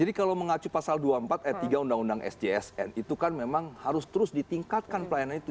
jadi kalau mengacu pasal dua puluh empat tiga undang undang sjsn itu kan memang harus terus ditingkatkan pelayanan itu